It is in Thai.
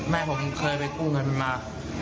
แม่ผมเคยไปกู้เงินมา